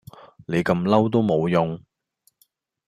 你咁嬲都無用